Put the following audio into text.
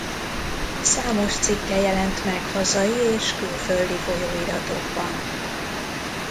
Számos cikke jelent meg hazai és külföldi folyóiratokban.